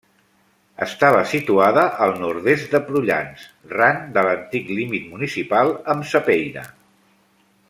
Estava situada al nord-est de Prullans, ran de l'antic límit municipal amb Sapeira.